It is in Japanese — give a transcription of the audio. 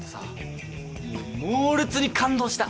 もう猛烈に感動した。